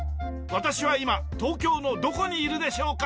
私は今東京のどこにいるでしょうか？